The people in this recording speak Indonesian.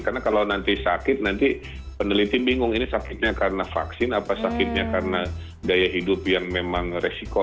karena kalau nanti sakit nanti peneliti bingung ini sakitnya karena vaksin apa sakitnya karena daya hidup yang memang resiko